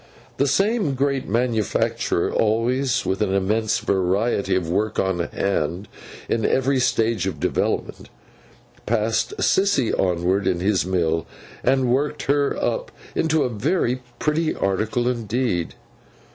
The same great manufacturer, always with an immense variety of work on hand, in every stage of development, passed Sissy onward in his mill, and worked her up into a very pretty article indeed.